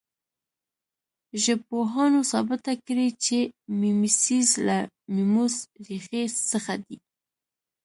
ژبپوهانو ثابته کړې چې میمیسیس له میموس ریښې څخه دی